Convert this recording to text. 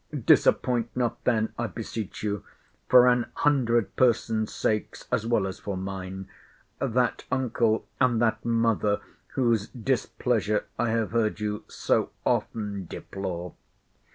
Disappoint not then, I beseech you, for an hundred persons' sakes, as well as for mine, that uncle and that mother, whose displeasure I have heard you so often deplore.